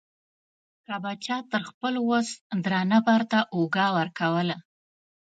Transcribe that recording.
که به چا تر خپل وس درانه بار ته اوږه ورکوله.